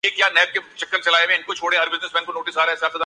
کسی جگہ بادشاہ کا بت بنا کر سامنے کھڑا کرلیتے